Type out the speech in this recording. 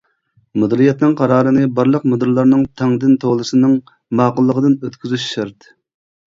مۇدىرىيەتنىڭ قارارىنى بارلىق مۇدىرلارنىڭ تەڭدىن تولىسىنىڭ ماقۇللۇقىدىن ئۆتكۈزۈش شەرت.